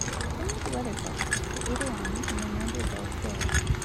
Tell me the weather forecast for eight A.m. in Reminderville, Florida